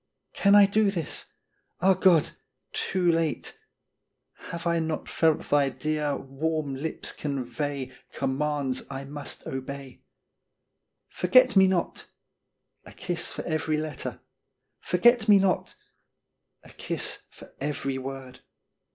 Can I do this ! Ah, God ! too late Have I not felt thy dear, warm lips convey Commands I must obey ?" Forget me not !" a kiss for every letter. " Forget me not! " a kiss for every word.